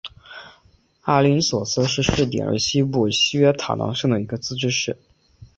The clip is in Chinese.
阿灵索斯市是瑞典西部西约塔兰省的一个自治市。